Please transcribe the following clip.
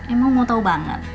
emang mau tau banget